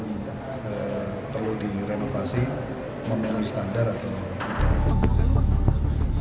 jadi kita perlu direnovasi memiliki standar atau tidak